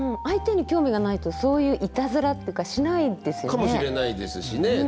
相手に興味がないとそういういたずらとかしないですよね。